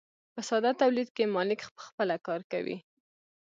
په ساده تولید کې مالک پخپله کار کوي.